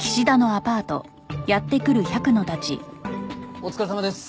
お疲れさまです。